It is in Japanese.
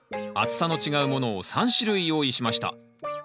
厚さの違うものを３種類用意しました。